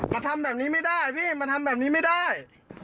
มาทำแบบนี้ไม่ได้พี่มาทำแบบนี้ไม่ได้